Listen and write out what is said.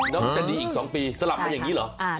แล้วจะดีอีก๒ปีสลับมาอย่างนี้เหรอ